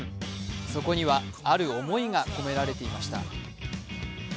そこには、ある思いが込められていました。